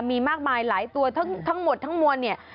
มีมากมายหลายตัวทั้งหมดทั้งมวลเนี่ย